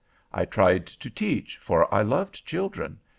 I tried to teach, for I loved children.